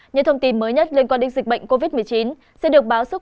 những thông tin mới nhất liên quan đến dịch bệnh covid một mươi chín sẽ được báo xúc